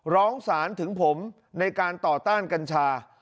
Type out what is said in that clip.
ร้องสารถึงผมในการต่อต้านกัญชา